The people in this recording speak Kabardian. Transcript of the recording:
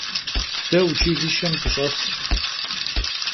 De vuçilişêm dış'esş.